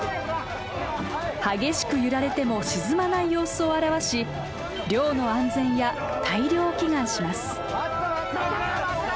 激しく揺られても沈まない様子を表し漁の安全や大漁を祈願します。